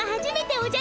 おじゃ！